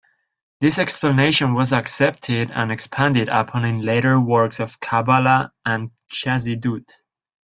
This explanation was accepted and expanded upon in later works of Kabbalah and Chassidut.